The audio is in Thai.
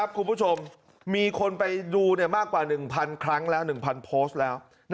คุณผู้ชมมีคนไปดูมากกว่า๑๐๐ครั้งแล้ว๑๐๐โพสต์แล้ว